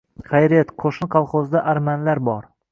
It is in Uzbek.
Xayriyat, qo‘shni sovxozda armanlar bor.